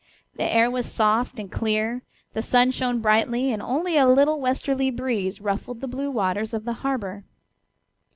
The air was soft and clear, the sun shone brightly, and only a little westerly breeze ruffled the blue waters of the harbor.